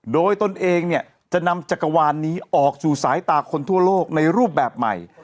โดยตนเองเนี่ยจะนำจักรวาลนี้ออกสู่สายตาคนทั่วโลกในรูปแบบใหม่